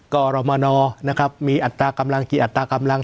กรมนนะครับมีอัตรากำลังกี่อัตรากำลัง